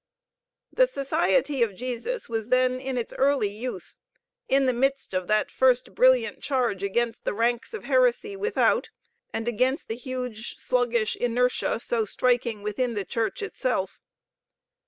The Society of Jesus was then in its early youth, in the midst of that first brilliant charge against the ranks of heresy without, and against the huge sluggish inertia so striking within the Church itself.